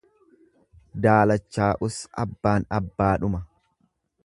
Daalachaa'us abbaan abbaadhuma.